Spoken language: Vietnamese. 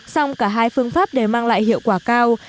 xong cả hai phương pháp đều mang lại hiệu quả cao